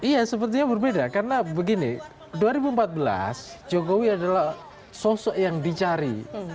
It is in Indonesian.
iya sepertinya berbeda karena begini dua ribu empat belas jokowi adalah sosok yang dicari